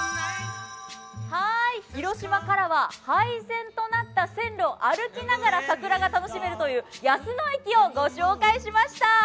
広島からは廃線となった線路を歩きながら桜が楽しめるという安野駅をご紹介しました。